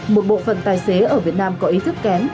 một bộ phận tài xế ở việt nam có ý thức kém